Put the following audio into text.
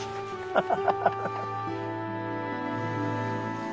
ハハハハハ！